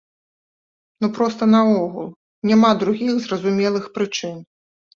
Ну проста наогул няма другіх зразумелых прычын.